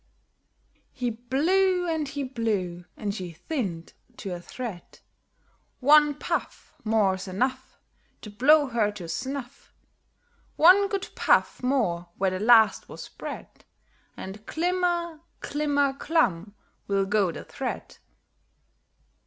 He blew and he blew, and she thinned to a thread. "One puff More's enough To blow her to snuff! One good puff more where the last was bred, And glimmer, glimmer, glum will go the thread!"